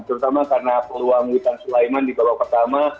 terutama karena peluang witan sulaiman di babak pertama